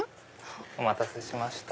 お待たせしました。